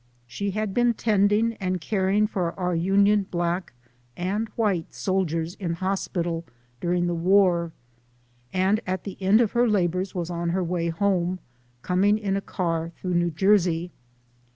She had been tending and caring for our Union black* (and white) soldiers in hospital during the war, and at the end of her labors was on her way home, coming in a car through New Jersey.